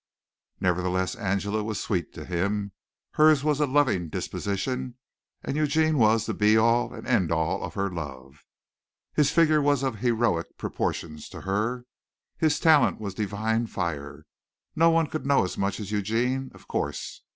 Nevertheless Angela was sweet to him. Hers was a loving disposition and Eugene was the be all and end all of her love. His figure was of heroic proportions to her. His talent was divine fire. No one could know as much as Eugene, of course!